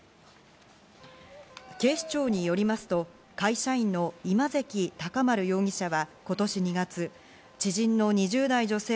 警視庁によりますと会社員の今関尊丸容疑者は今年２月、知人の２０代女性